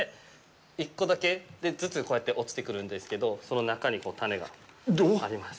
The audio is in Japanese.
１個だけずつ、こうやって落ちてくるんですけど、その中に、この種があります。